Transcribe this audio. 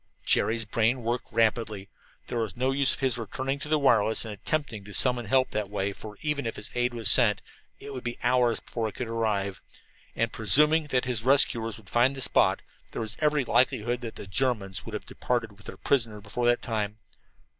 Jerry's brain worked rapidly. There was no use of his returning to the wireless and attempting to summon help that way, for even if aid was sent it would be hours before it could arrive, and, presuming that the rescuers could find the spot, there was every likelihood that the Germans would have departed with their prisoner before that time.